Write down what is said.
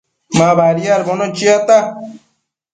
Ma badiadbono chiata